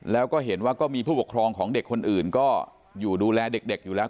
แล้วก็เห็นว่าก็มีผู้ปกครองของเด็กคนอื่นก็อยู่ดูแลเด็กอยู่แล้ว